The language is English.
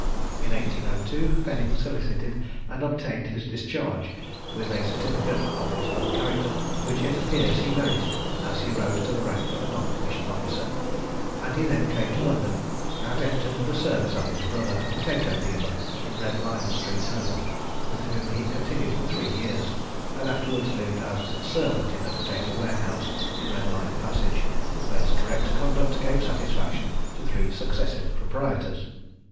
In 1802 Fenning solicited and obtained his discharge, with a certificate of his good character, which it appears he merited, as he rose to the rank of a non commissioned officer; and he then came to London, and entered the service of his brother, a potato dealer in Red Lion street, Holborn, with whom he continued for three years, and afterwards lived as servant in a potato warehouse in Red Lion Passage, where his correct conduct gave satisfaction to three successive proprietors.